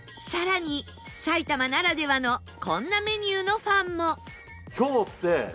更に埼玉ならではのこんなメニューのファンも